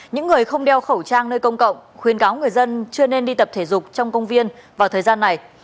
những người không đeo khẩu trang nơi công cộng khuyến cáo người dân chưa nên đi tập thể dục trong công viên vào thời gian này